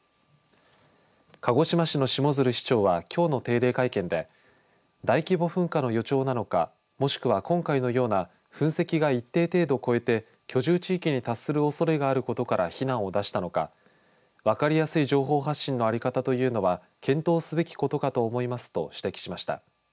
鹿児島市の下鶴市長はきょうの定例会見で大規模噴火の予兆なのかもしくは今回のような噴石が一定程度越えて居住地域に達するおそれがあることから避難を出したのか分かりやすい情報発信の在り方というのは検討すべきことかと思いますと指摘しました。